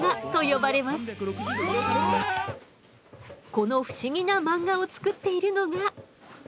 この不思議な漫画を作っているのが。